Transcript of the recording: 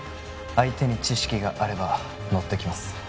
相手に知識があれば乗ってきます